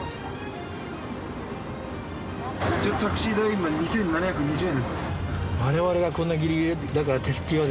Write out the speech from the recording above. タクシー代今２，７２０円です。